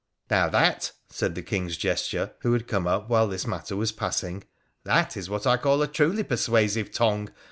' Now that,' said the King's jester, who had come up while this matter was passing —' that is what I call a truly persuasive tongue.